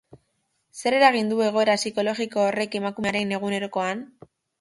Ze eragin du egoera psikologiko horrek emakumearen egunerokoan?